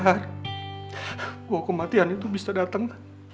wah kematian itu bisa datang